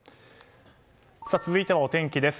続いてはお天気です。